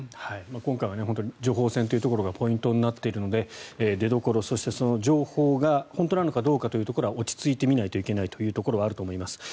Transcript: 今回は情報戦というところがポイントになっているので出どころ、そしてその情報が本当なのかどうかは落ち着いて見ないといけないところはあると思います。